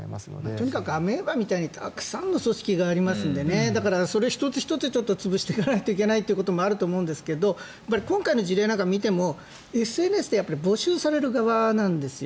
とにかくアメーバみたいにたくさんの組織があるのでだから、それを１つ１つ潰していかないといけないこともあると思うんですが今回の事例なんかを見てもＳＮＳで募集される側なんですよ。